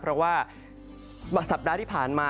เพราะว่าสัปดาห์ที่ผ่านมา